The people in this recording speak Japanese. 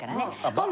バン！